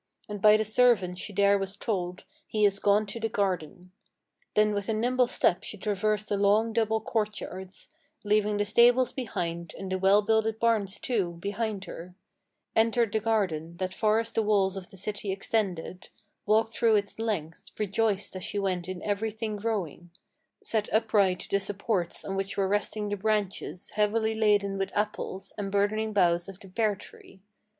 And by the servant she there was told: He is gone to the garden. Then with a nimble step she traversed the long, double courtyards, Leaving the stables behind, and the well builded barns, too, behind her; Entered the garden, that far as the walls of the city extended; Walked through its length, rejoiced as she went in every thing growing; Set upright the supports on which were resting the branches Heavily laden with apples, and burdening boughs of the pear tree.